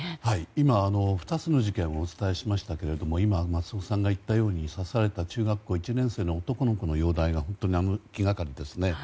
今、２つの事件をお伝えしましたが今、松尾さんが言ったように刺された中学校１年生の男の子の容体が本当に気がかりですね。